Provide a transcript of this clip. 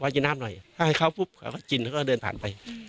กินน้ำหน่อยถ้าให้เขาปุ๊บเขาก็กินเขาก็เดินผ่านไป